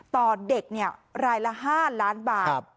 ต่อเด็กรายละ๕ล้านบาท